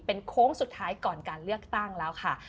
เป็นโค้งสุดท้ายก่อนการเลือกตั้งแล้วค่ะ